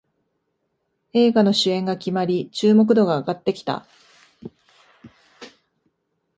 映画の主演が決まり注目度が上がってきた